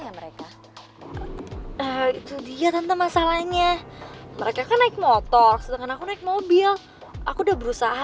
ya mereka itu dia tentang masalahnya mereka kan naik motor setengah aku naik mobil aku udah berusaha